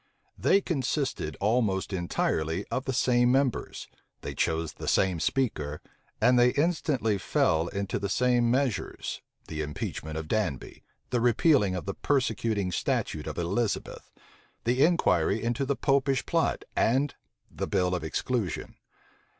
They consisted almost entirely of the same members; they chose the same speaker; and they instantly fell into the same measures, the impeachment of Danby, the repeal of the persecuting statute of Elizabeth, the inquiry into the Popish plot, and the bill of exclusion.